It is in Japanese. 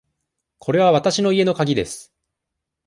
これはわたしの家のかぎです。